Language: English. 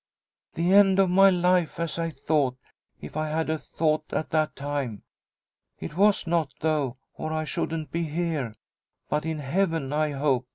The end of my life, as I thought, if I had a thought at that time. It was not, though, or I shouldn't be here, but in heaven I hope.